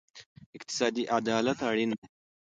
اقتصادي عدالت اړین دی.